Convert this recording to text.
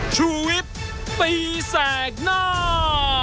ชูเว็ดตีแสงหน้า